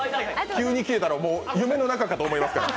急に消えたら夢の中かと思いますから。